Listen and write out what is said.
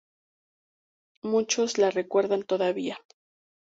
Muchos la recuerdan todavía.